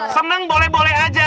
senang boleh boleh aja